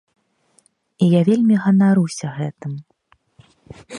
І я вельмі ганаруся гэтым.